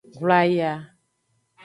Hlwaya.